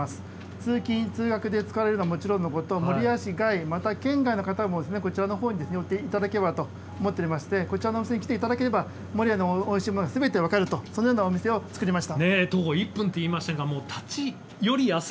通勤通学で使われるのはもちろんのこと、守谷市外、また県外の方もこちらのほうに寄っていただければと思っておりまして、こちらのお店に来ていただければ守谷のおいしいものものがすべて分かるとこのようなお店を作りました。